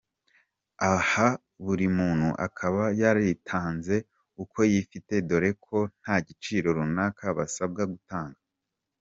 Aha buri muntu akaba yaritanze uko yifite dore ko nta giciro runaka basabwaga gutanga.